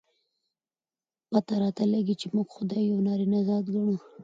پته راته لګي، چې موږ خداى يو نارينه ذات ګڼو.